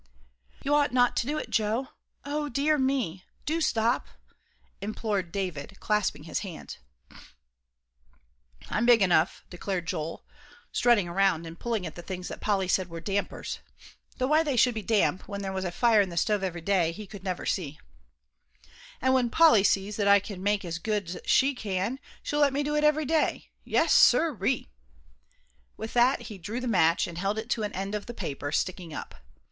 "You ought not to do it, Joe. O dear me, do stop," implored David, clasping his hands. "I'm big enough," declared Joel, strutting around and pulling at the things that Polly said were dampers though why they should be damp, when there was a fire in the stove every day, he never could see. "And when Polly sees that I can make it as good's she can, she'll let me do it every day. Yes, sir ree!" With that he drew the match, and held it to an end of the paper, sticking up.